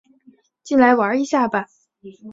进来玩一下吧